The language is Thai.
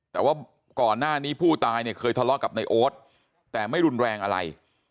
แต่ว่าก่อนหน้านี้ผู้ตายเนี่ยเคยทะเลาะกับนายโอ๊ตแต่ไม่รุนแรงอะไร